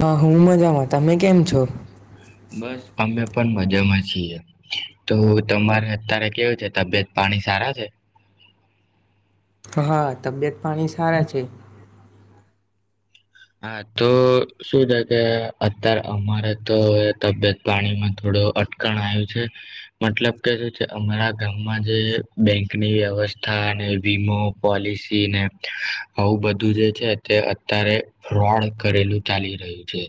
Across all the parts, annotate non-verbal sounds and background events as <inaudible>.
હા હું મજામાં તમે કેમ છો બસ અમે પણ મજામાં સે છીએ તો તમારે અત્યારે કેવું છે તબિયત પાણી સારા છે. હા તબિયત પાણી સારા છે હા તો શું છે કે અત્યારે અમારે તો તબિયત પાણીમાં થોડું અટકણ આવ્યું છે મતલબ કે શું છે અમારા ગામમાં જે બેંકની વ્યવસ્થા વીમો પોલિસી ને આવું બધું જે છે તે અત્યારે ફ્રોડ કરેલું ચાલી રહ્યું છે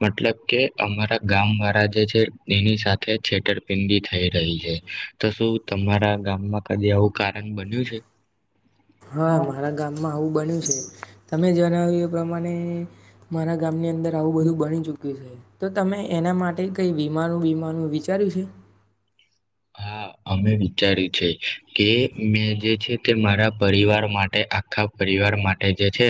મતલબ કે અમારા ગામ વાળા જે છે એની સાથે છેતરપિંડી થઈ રહી છે તો શું તમારા ગામમાં કદી આવું કારણ બન્યું છે હા મારા ગામમાં આવું બન્યું છે તમે જણાવ્યું એ પ્રમાણે મારા ગામની અંદર આવું બધું બણી ચુક્યું છે તો તમે એના માટે કઈ વિીમાનું વિીમાનું વિચાર્યું છે હા અમે વિચાર્યું છે કે મેં જે છે તે મારા પરિવાર માટે આખા પરિવાર માટે જે છે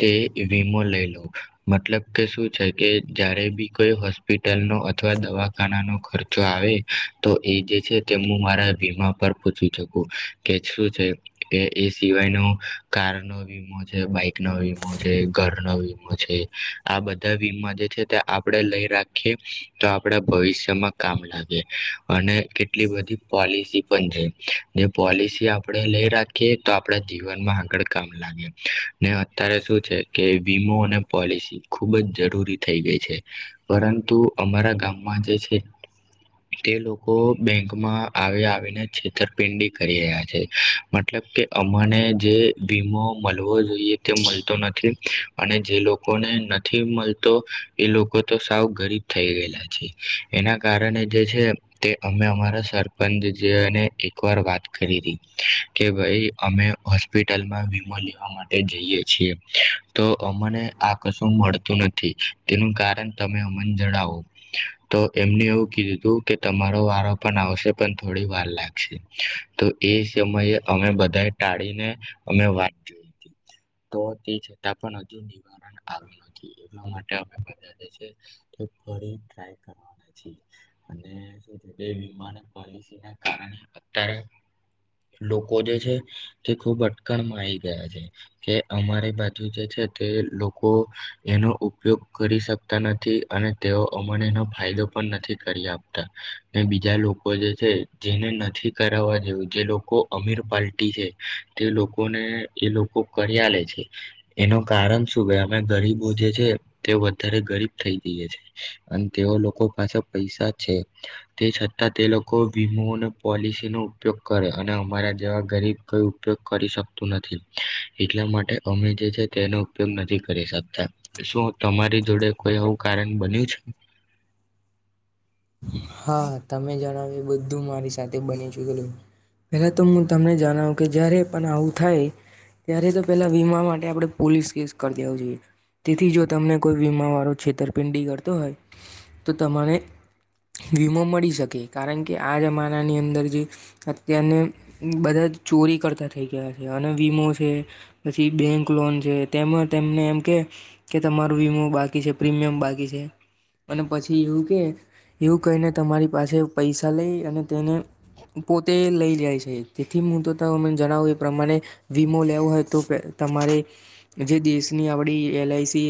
તે વીમો લઈ લોઉ મતલબ કે શું છે કે જ્યારે બી કોઈ હોસ્પિટલનો અથવા દવાખાનાનો ખર્ચો આવે તો એ જે હું મારા વીમા પર પૂછી શકું કે શું છે કે એ સિવાયનો કાર નો વીમો છે બાઈક નો વીમો છે ઘર નો વીમો છે આ બધા વીમા જે છે તે આપડ લઈ રાખીએ તો આપડા ભવિષ્યમાં કામ લાગે અને એટલી બધી પોલિસી પણ છે જે પોલિસી આપણે લઈ રાખીએ તો આપણા જીવનમાં આગળ કામ લાગે ને અત્યારે શું છે કે વીમો અને પોલિસી ખૂબ જ જરૂરી થઈ ગઈ છે પરંતુ અમારા ગામમાં જે છે તે લોકો બેંકમાં આવી આવીને છેતરપિંડી કરી રહ્યા છે મતલબ કે અમાને જે વીમો મળવો જોઈએ તે મળતો નથી અને જે લોકોને નથી મળતો એ લોકો તો સાવ ગરીબ થઈ ગયેલા છે એના કારણે જે છે તે અમે અમારા સરપંચ જેને એક વાર વાત કરી હતી કે ભાઈ અમે હોસ્પિટલમાં વીમો લેવા માટે જઈએ છીએ તો અમને આ કશું મળતું નથી તેનું કારણ તમે અમને જણાવો તો એમને એવું કીધું હતું કે તમારું વા પણ આવશે પણ થોડી વાર લાગશે તો એ સમયે અમે બધા ટાળીને અમે વાત જોઈ હતી તો તે છતાં પણ હજુ નિવારણ આવ્યું નથી એટલા માટે બ ફાય કરવા બે વિમાન પોલિસી ના કારણે અત્યારે લોકો જે છે તે ખૂબ અટકણમાં આવી ગયા છે કે અમારી બાજુ જે છે તે લોકો એનો ઉપયોગ કરી શકતા નથી અને તેઓ અમાને ફાયદો પણ નથી કરી આપતા બીજા લોકો જે છે જેને નથી કરાવવા જેવું જે લોકો અમીર પલ્ટી છે તે લોકોને એ લોકો કર્યા લે છે એનું કારણ શું ગયા અમે ગરીબો જે છે તે વધારે ગરીબ થઈ જઈે છે અને તેઓ લોકો પાસે પૈસા છે તે છતાં તે લોકો વીમો અને પોલિસી નો ઉપયોગ કરે અને અમારા જેવા ગરીબ કોઈ ઉપયોગ કરી શકતું નથી એટલા માટે અમે જે છે તેનો ઉપયોગ નથી કરી શકતા શું તમારી જોડે કોઈ આવું કારણ બન્યું છે હા તમે જણાવ એ બધું મારી સાથે બની ચુ પેલા તો હું તમને જણાવું કે જય્યારે પણ આવું થાય ત્યારે તો પેલા વીમા માટે આપણે પોલીસ કેસ કરી દેવ જોઈએ તેથી જો તમને કોઈ વીમા વાળો છેતરપિંડી કરતો હોય તો તમારે વીમો મળી શકે કારણ કે આ જમાનાની અંદર જે અત્યારને બધા ચોરી કરતા થઈ ગયા છે અને વીમો છે પછી બેંક લોન છે તેમાં તેમને એમ કે કે તમારો વીમો બાકી છે પ્રીમિયમ બાકી છે અને પછી એવું કે એવું કહીને તમારી પાસે પૈસા લઈ અને તેને પોતે લઈ જાય છે તેથી હું તોને જણાવું એ પ્રમાણે વીમો લેવો હોય તો પે તમારે જે દેશની આપડી એલ આઈસી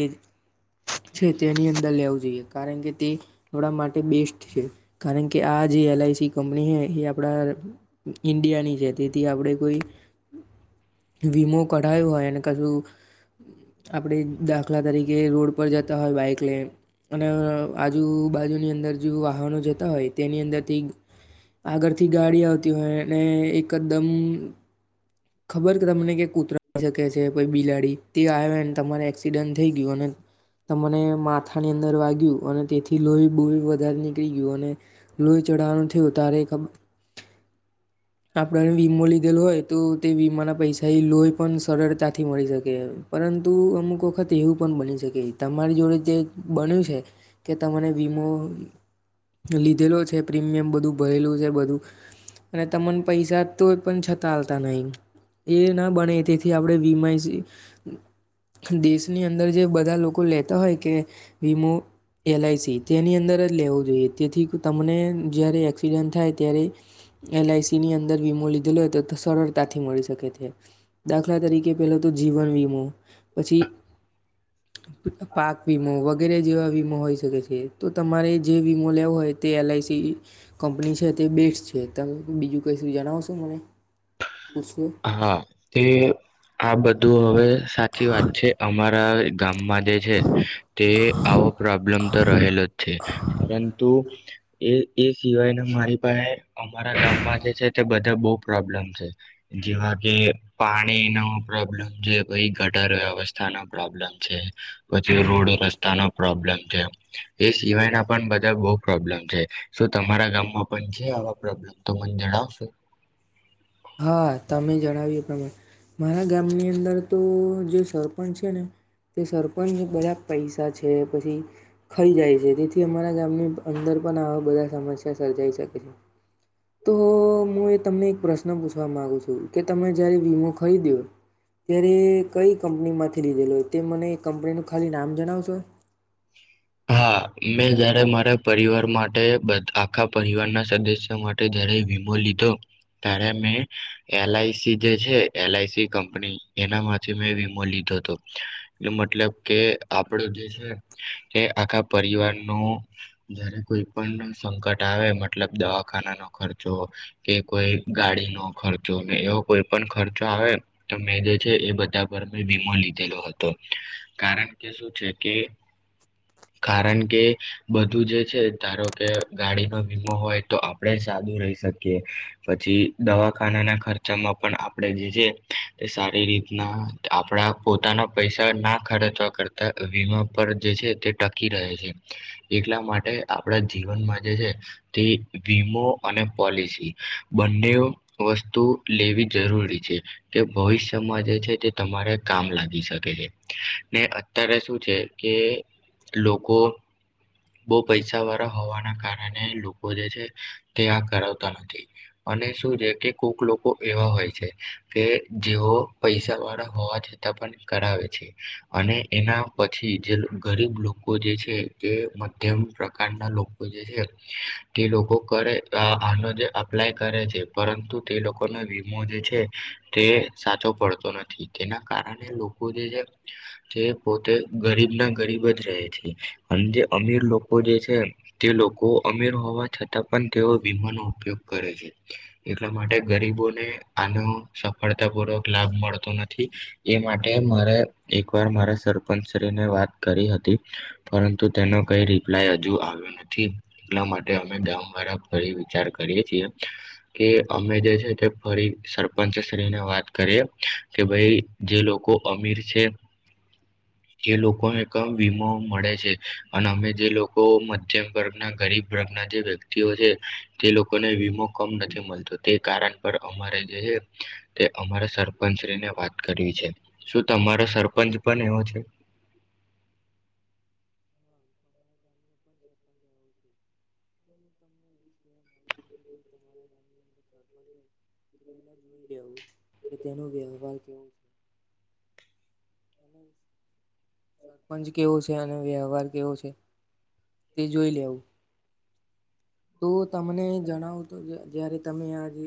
તીર છે તેની અંદર લેવું જોઈએ કારણ કે તે થડા માટે બેસ્ટ છે કારણ કે આ જે એલઆઈસી કંપની છે એ આપણા ઈન્ડિયાની છે તેથી આપણે કોઈ વીમો કઢાય હોય અને કશું આપણે દાખલા તરીકે રોડ પર જતા હોય બાઈક લઈ અને આજુબાજુની અંદર અ જે વાહનો જતા હોય તેની અંદરથી આગળ થી ગાડી આવતી હોય અને એકદમ ખબર કે તમને ક કૂતરા શકે છે કો બિલાડી તે આવે તમારે એક્સિડન્ટ થઈ ગયું અને તમને માથાની અંદર વાગ્યું અને તેથી લોહી બોહી નીકળી યુવાને લોહી ચઢાવવાનું થયું તારે એક આપડને વીમો લીધેલું હોય તો તે વીમાના પૈસા એ લોહી પણ સરળતાથી મળી શકે એમ પરંતુ અમુક વખત તે એવું પણ બની શકે તમારી જોડે જે બન્યું છે. કે તમને વીમો લીધેલો છે પ્રીમિયમ બધું ભરેલું છે બધું અને તમને પૈસા તો પણ છતાં આલતા નહી એ ના બને તેથી આપણે વીમા એસી દેશની અંદર જે બધા લોકો લેતા હોય કે વીમો એલઆઈસી તેની અંદર જ લેવો જોઈએ તેથી તમને જયારે એકસ પીરયન થાય ત્યારે એલઆઈસીની અંદર વીમો લીધેલો હોય તો સરળતાથી મળી શકે છે દાખલા તરીકે પેલો તો જીવન વીમો પછી પાક વીમો વગેરે જેવા વીમો હોઈ શકે છે તો તમારે વીમો લેવો હોય તે એલઆઈસી કંપની છે તે બેટ્સ છે તમે બીજું કશું જણાવશો મને પૂછશો હા તે આ બધું હવે સાચી વાત છે અમારા ગામ મા જે છે તે આવો પ્રોબ્લેમ તો રહેલો જ છે પરંતુ એ એ સિવાયને મારી પાસે અમારા ગામમાં જે છે તે બધા બવ પ્રોબ્લેમ છે. જેવા કે પાણીનો પ્રોબ્લમ છે પહી ગટર વ્યવસ્થાનો પ્રોબ્લેમ છે. પછી રોડ રસ્તાનો પ્રોબ્લેમ છે એ સિવાયના પણ બધા બ પ્રોબ્લેમ છે શું તમારા ગામમાં પણ છે આવા પ્રોબ્લેમ તો મને જણાવશો. હા તમે જણાવીએ પ્રમાણે મારા ગામની અંદર તો જે સરપંચ છે ને તે સરપંચ બધા પૈસા છે પછી ખાઈ જાય છે તેથી અમારા ગામની અંદર પણ આવા બધા સમસ્યા સર્જાઈ શકે છે તો હું હુ તમને એક પ્રશ્ન પ્રશ્ન પૂછવા માંગુ છું કે તમે જયારે વીમો ખરીદયો ત્યારે કઈ કંપની માંથી લીધેલો તે મને એ કંપનીનું ખાલી નામ જણાવશો. હા મેં જયારે મારા પરિવાર માટે બધ આખા પરિવારના સદસ્ય માટે જયારે વીમો લીધો ત્યારે મેં એલઆઈસી જે છે એલઆઈસી કંપની એનામાંથી મેં વીમો લીધો હતો મતલબ કે આપડો જે છે કે આખા પરિવાર નો જયારે કોઈ પણ સંકટ આવે મતલબ દવાખાના ન ખર્ચો કે કોઈ ગાડીનો ખર્ચો એવો કોઈ પણ ખર્ચો આવે તો મેં જે છે એ બધા પર મે વીમો લીધેલો હતો કારણ કે શું છે કે કારણ કે બધું જે છે ધારોકે ગાડીનો વીમો હોય તો આપણેે સાદું રહી શકીએ પછી દવાખાનાના ખર્ચામાં પણ આપણે જે છે તે સારી રીતના આપડા પોતાના પૈસા ના ખર્ચવા કરતા વીમા પર જે તે ટકી રહે છે એટલા માટે આપણા જીવનમાં જે છે તે વીમો અને પોલિસી બંને વસ્તુ લેવી જરૂરી છે કે ભવિષ્યમાં જે છે તે તમારે કામ લાગી શકે છે ને અત્યારે શું છે કે લોકો બહ પૈસા વાળા હોવાના કારણે લોકો જે છે તે આ કરાવતા નથી અને શું છે કે કોક લોકો એવા હોય છે કે જેઓ પૈસા વાળા હોવા છતાં પણ કરાવે છે અને એના પછી જે ગરીબ લોકો જે છે તે મધ્યમ પ્રકારના લોકો જે છે તે લોકો કરે અ આનો જે અપ્લાય કરે છે પરંતુ તે લોકોનો વીમો જે છે તે સાચો પડતો નથી તેના કારણે લોકો જે છે તે પોતે ગરીબ ના ગરીબ જ રહે છે અને જે અમીર લોકો જે છે તે લોકો અમીર હોવા છતાં પણ તેઓ વીમાનો ઉપયોગ કરે છે એટલા માટે ગરીબોને આનો સફળતાપૂર્વક લાભ મળતો નથી એ માટે મારે એકવાર મારા સરપંચ શ્રીને વાત કરી હતી પરંતુ તેનો કઈ રિપ્લાય હજુ આવ્યો નથી એટલા માટે અમે ગામ વાળા ફરી વિચાર કરીએ છીએ કે અમે જે છે તે ફરી સરપંચ શ્રીને વાત કરીએ કે ભાઈ જે લોકો અમીર છે જે લોકોએ કમ વીમો મળે છે અને અમે જે લોકો મધ્યમ વર્ગના ગરીબ ઘરના જે વ્યક્તિઓ છે તે લોકોને વીમો કમ નથી મળતો તે કારણ પર અમારે જે છે તે અમારા સરપંચ શ્રીને વાત કરીવી છે શું તમારો સરપંચ પણ એવો છે. હા અમારા ગામનો પણ સરપંચ આવ્યો છે. તો હું તમને એવું કહેવા માગુ છું કે જે તમારા કે તેનો વ્યવહાર કેવો છે. સરપંચ કેવો છે અને વ્યવહાર કેવો છે તે જોઈ લેવું તો તમને જણાવું તો જ જયારે તમે આજે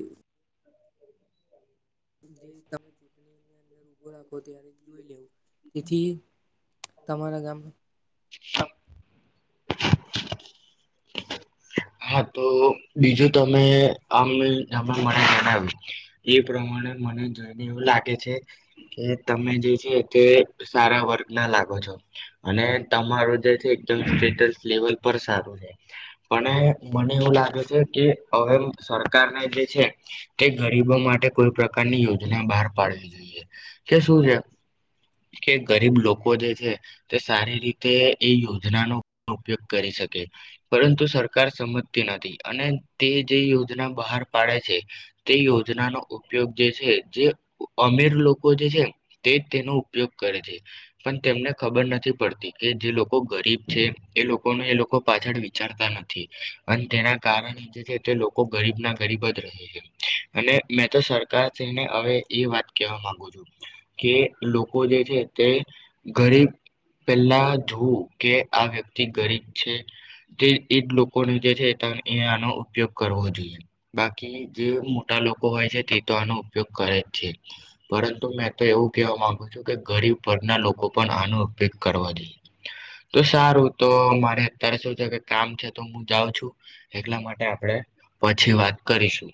જે તમે અંદર ઉભો રાખો ત્યારે જોઈ લેવો તેથી તમારા ગામ <inaudible> હા તો બીજું તમે આમ મને આમા મળે જણાવ્યું એ પ્રમાણે મને જોઈને એવું લાગે છે કે તમે જે છે તે સારા વર્ગના લાગો છો અને તમારો જે છે એકદમ સ્ટેટસ લેવલ પર સારું છે પણ મને એવું લાગે છે કે હવે સરકારને જે છે તે ગરીબો માટે કોઈ પ્રકારની યોજના બહાર પાડવી જોઈએ કે શું છે કે ગરીબ લોકો જે છે તે સારી રીતે એ યોજનાનો પણ ઉપયોગ કરી શકે પરંતુ સરકાર સમજતી નથી અને તે જે યોજના બહાર પાડે છે તે યોજનાનો ઉપયોગ જે છે જે અ અમીર લોકો જે છે તે તેનો ઉપયોગ કરે છે પણ તેમને ખબર નથી પડતી કે જે લોકો ગરીબ છે એ લોકોને એ લોકો પાછળ વિચારતા નથી. અને તેના કારણે જે છે તે લોકો ગરીબ ના ગરીબ જ રહે છે. અને મેં તો સરકારશ્રીને હવે એ વાત કેહેવા માંગુ છું કે લોકો જે છે તે ગરીબ પહેલા જોવ કે આ વ્યક્તિ ગરીબ છે તે એ જ લોક લોકોને જે છે આનો ઉપયોગ કરવો જોઈએ. બાકી જે મોટા લોકો હોય છે તે તો આનો ઉપયોગ કરે જ છે પરંતુ મેં તો એવું કેવા માંગુ છું કે ગરીબ વર્ગના લોકો પણ આનો ઉપયોગ કરવા જોઈએ તો સારું તો મારે અત્યારે શું છે કે કામ છે તો હું જાઉં છું એટલા માટે આપણે પછી વાત કરીશું.